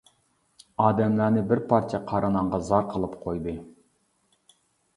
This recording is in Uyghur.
ئادەملەرنى بىر پارچە قارا نانغا زار قىلىپ قويدى.